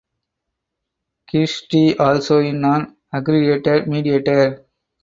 Kirsty also is an accredited mediator.